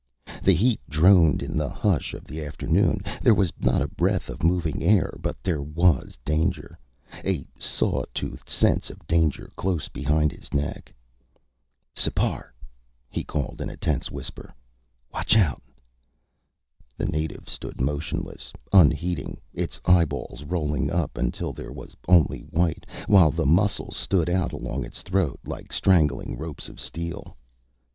The heat droned in the hush of afternoon. There was not a breath of moving air. But there was danger a saw toothed sense of danger close behind his neck. "Sipar!" he called in a tense whisper, "Watch out!" The native stood motionless, unheeding, its eyeballs rolling up until there was only white, while the muscles stood out along its throat like straining ropes of steel.